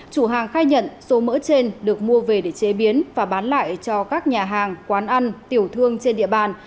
chủ hàng khai nhận số mỡ trên được mua về để chế biến và bán lại cho các nhà hàng quán ăn tiểu thương trên địa bàn